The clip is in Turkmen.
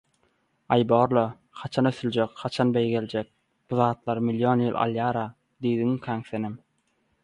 “Aý borla, haçan ösüljek, haçan beýgeljek, bu zatlar million ýyl alýara” diýdiňmikäň senem?